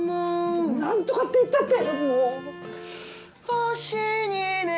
なんとかって言ったって。